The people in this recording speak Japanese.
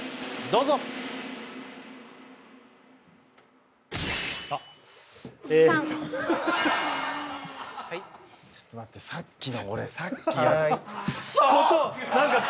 どうぞ３ちょっと待ってさっきの俺さっきくそーっ